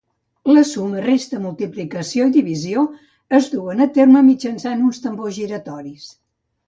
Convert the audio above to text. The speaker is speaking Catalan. La suma, resta, multiplicació i divisió es duen a terme mitjançant uns tambors giratoris.